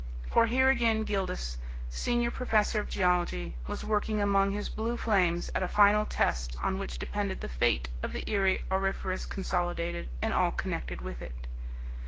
For here again Gildas, senior professor of geology, was working among his blue flames at a final test on which depended the fate of the Erie Auriferous Consolidated and all connected with it.